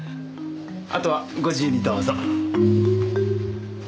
あとはご自由にどうぞ。